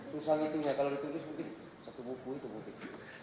susah ngitungnya kalau ditulis mungkin satu buku itu mungkin